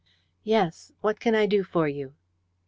"Yes. What can I do for you?"